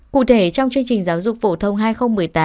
cụ thể trong chương trình giáo dục phổ thông hai nghìn một mươi tám